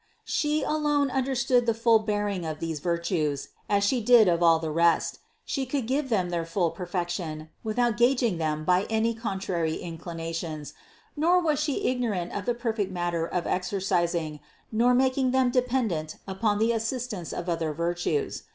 She alone understood the full bearing of these virtues, as She did of all the rest. She could give them their full perfection, without gaging them by any contrary inclinations, nor was She ignorant of the perfect manner of exercising, nor of making them dependent upon the assistance of other virtues.